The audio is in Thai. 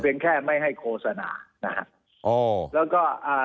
แต่เป็นแค่ไม่ให้โฆษณานะครับ